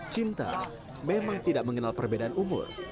cinta memang tidak mengenal perbedaan umur